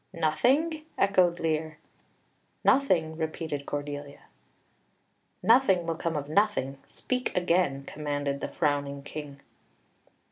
"Nothing!" echoed Lear. "Nothing," repeated Cordelia. "Nothing will come of nothing. Speak again," commanded the frowning King.